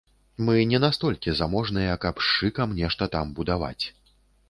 Мы не настолькі заможныя, каб з шыкам нешта там будаваць.